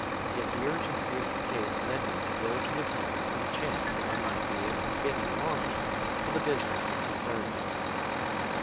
Yet the urgency of the case led me to go to his home on the chance that I might be able to get him long enough for the business that concerned us.